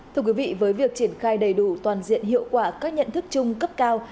thưa quý vị với việc triển khai đầy đủ toàn diện hiệu quả các nhận thức chung cấp cao